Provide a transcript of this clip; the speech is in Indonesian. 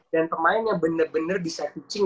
dan pemain yang bener bener bisa teaching